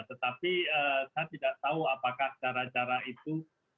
tetapi saya tidak tahu apakah cara cara itu